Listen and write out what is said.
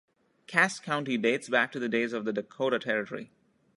Cass County dates back to the days of the Dakota Territory.